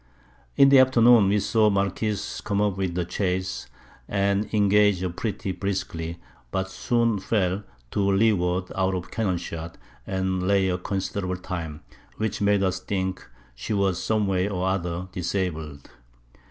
_] In the Afternoon we saw the Marquiss come up with the Chase, and engage her pretty briskly; but soon fell to Leeward out of Cannon shot, and lay a considerable Time, which made us think she was some way or other disabled.